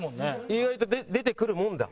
意外と出てくるもんだ。